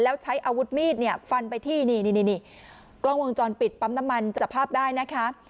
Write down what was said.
แล้วใช้อาวุธมีดเนี่ยฟันไปที่นี่กล้องวงจรปิดปั๊มน้ำมันจับภาพได้นะคะ